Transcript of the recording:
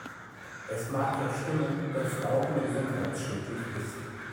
Es mag ja stimmen, dass Rauchen gesundheitsschädlich ist.